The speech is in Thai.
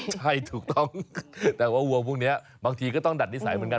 ใช่ถูกต้องแต่ว่าวัวพวกนี้บางทีก็ต้องดัดนิสัยเหมือนกัน